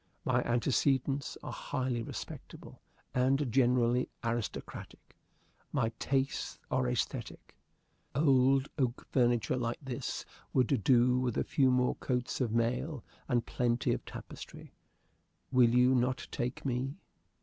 My antecedents are highly respectable and generally aristocratic. My tastes are æsthetic. Old oak furniture like this would do, with a few more coats of mail and plenty of tapestry. Will you not take me?"